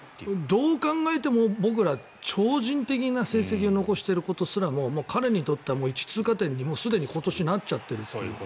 どう考えても僕ら、超人的な成績を残してることすらもう彼にとっては一通過点に今年、すでになっちゃってる。